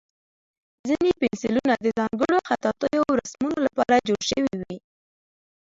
ځینې پنسلونه د ځانګړو خطاطیو او رسمونو لپاره جوړ شوي وي.